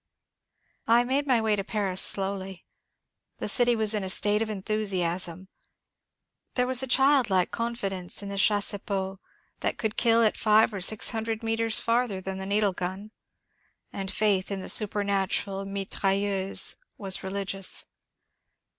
I made my way to Paris slowly. The city was in a state of enthusiasm. There was a childlike confidence in the chassepot that could '^ kill at five or six hundred metres farther than the needle gun ;" and faith in the supernatural mitrailleuse was religious.